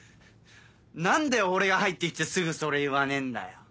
何で俺が入ってきてすぐそれ言わねえんだよ。